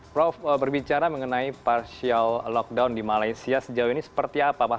prof berbicara mengenai partial lockdown di malaysia sejauh ini seperti apa mas